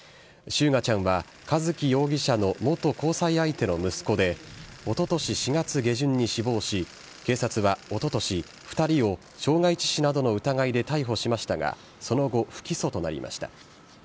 翔雅ちゃんは一貴容疑者の元交際相手の息子で、おととし４月下旬に死亡し、警察はおととし、２人を傷害致死などの疑いで逮捕しましたが、その後、不起訴となりました。